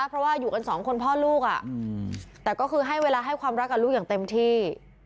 เพราะว่าอยู่กันสองคนพ่อลูกแต่ก็คือให้เวลาให้ความรักกับลูกอย่างเต็มที่